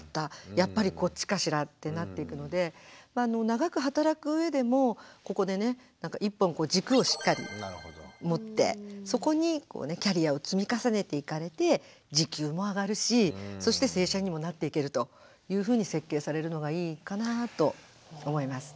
やっぱりこっちかしら」ってなっていくので長く働く上でもここでね１本こう軸をしっかり持ってそこにキャリアを積み重ねていかれて時給も上がるしそして正社員にもなっていけるというふうに設計されるのがいいかなと思います。